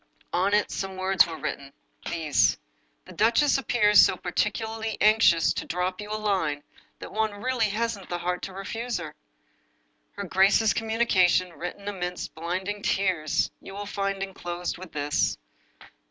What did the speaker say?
On it some words were written. These :" The duchess appears so particularly anxious to drop you a line, that one really hasn't the heart to refuse her. " Her grace's communication — written amidst blinding tears! — you will find inclosed with this."